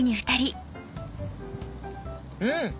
うん！